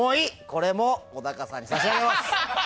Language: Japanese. これも小高さんに差し上げます。